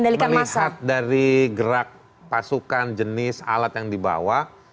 kalau melihat dari gerak pasukan jenis alat yang dibawa